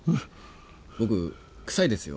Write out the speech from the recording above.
僕臭いですよ。